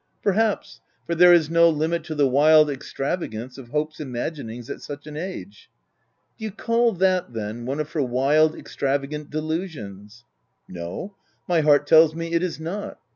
" Perhaps — for there is no limit to the wild extravagance of hope's imaginings, at such an age." " Do you call t7iat, then, one of her wild, extravagant delusions V* " No ; my heart tells me it is not.